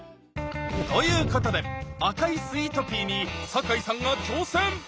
ということで「赤いスイートピー」に坂井さんが挑戦！